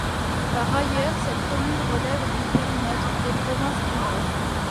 Par ailleurs, cette commune relève du périmètre des provinces du Nord.